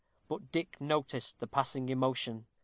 But Dick noticed the passing emotion.